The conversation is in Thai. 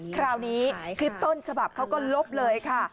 คราวนี้คลิปต้นฉบับเขาก็ลบเลยค่ะ